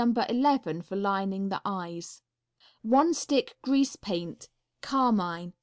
11. For lining the eyes. _One Stick Grease Paint, Carmine.